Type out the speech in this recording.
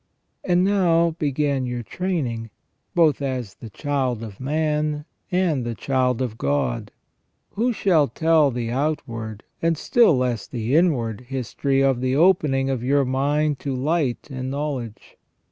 And now began your training, both as the child of man and the child of God. Who shall tell the outward, and still less the inward, history of the opening of your mind to light and know ledge?